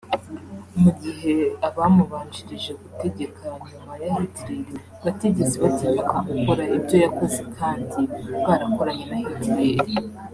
Mu gihe abamubanjirije gutegeka nyuma ya Hitler batigeze batinyuka gukora ibyo yakoze kandi barakoranye na Hitler